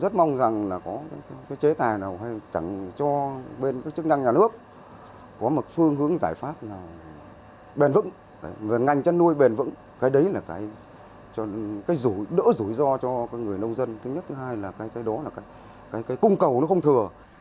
rất mong rằng có chế tài nào hay chẳng cho bên chức năng nhà nước có một phương hướng giải pháp bền vững ngành chăn nuôi bền vững cái đấy là cái đỡ rủi ro cho người nông dân cái thứ hai là cái đó là cái cung cầu nó không thừa